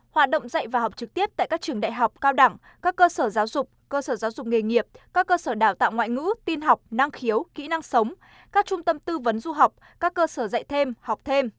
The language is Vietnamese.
hoạt động dạy và học trực tiếp tại các trường đại học cao đẳng các cơ sở giáo dục cơ sở giáo dục nghề nghiệp các cơ sở đào tạo ngoại ngữ tin học năng khiếu kỹ năng sống các trung tâm tư vấn du học các cơ sở dạy thêm học thêm